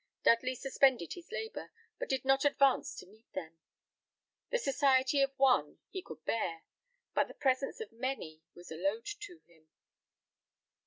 Dudley suspended his labour, but did not advance to meet them. The society of one he could bear, but the presence of many was a load to him.